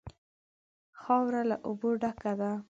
خاوره له اوبو ډکه ده.